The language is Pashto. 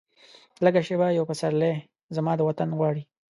لږه شیبه یو پسرلی، زما د وطن غواړي